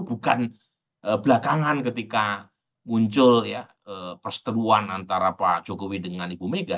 bukan belakangan ketika muncul ya perseteruan antara pak jokowi dengan ibu mega